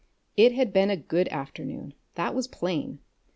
It had been a good afternoon that was plain.